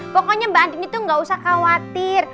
pokoknya mbak andin itu gak usah khawatir